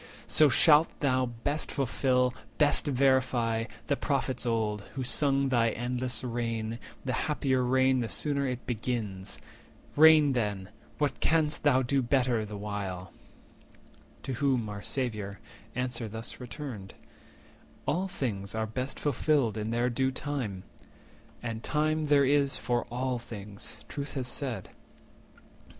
So shalt thou best fulfil, best verify, The Prophets old, who sung thy endless reign— The happier reign the sooner it begins. Rein then; what canst thou better do the while?" 180 To whom our Saviour answer thus returned:— "All things are best fulfilled in their due time; And time there is for all things, Truth hath said.